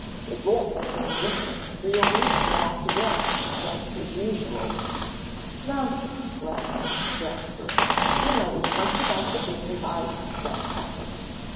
"It won't make any difference, for you'll beat me all to death, just as usual." "Nonsense," laughed Jasper, "you know as much about the game as I do, Ben Pepper!"